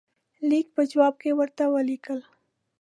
لیک په جواب کې ورته ولیکل.